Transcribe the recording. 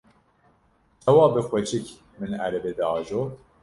çawa bi xweşik min erebe diajot.